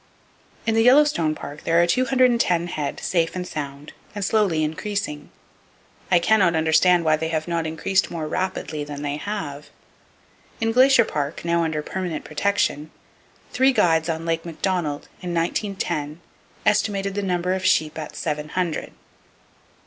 In the Yellowstone Park there are 210 head, safe and sound, and slowly increasing. I can not understand why they have not increased more rapidly than they have. In Glacier Park, now under permanent protection, three guides on Lake McDonald, in 1910, estimated the number of sheep at seven hundred.